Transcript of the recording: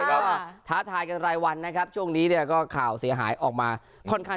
ก็ท้าทายกันรายวันนะครับช่วงนี้เนี่ยก็ข่าวเสียหายออกมาค่อนข้าง